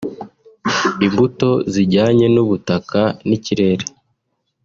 imbuto zijyanye n’ubutaka n’ikirere